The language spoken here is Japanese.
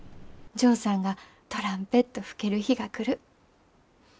ジョーさんがトランペット吹ける日が来る。